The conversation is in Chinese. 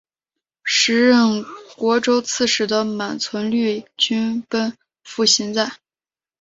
时任虢州刺史的满存率军奔赴行在。